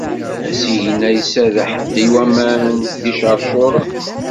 Asigna iserreḥ-d i waman d iceṛcuṛun.